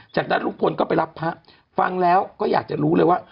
จากนั้นลุงพลก็ไปรับพระฟังแล้วก็อยากจะรู้เลยว่า